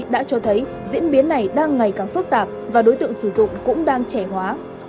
đã cho thấy diễn biến này đang ngày càng phức tạp và đối tượng sử dụng cũng đang trẻ hóa